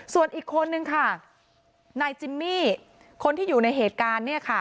ส่วนอีกคนนึงค่ะนายจิมมี่คนที่อยู่ในเหตุการณ์เนี่ยค่ะ